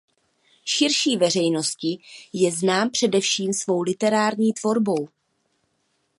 Širší veřejnosti je znám především svou literární tvorbou.